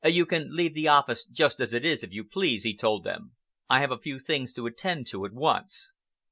"You can leave the office just as it is, if you please," he told them. "I have a few things to attend to at once."